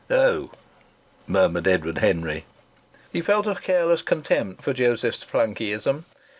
"Oh!" murmured Edward Henry. He felt a careless contempt for Joseph's flunkeyism.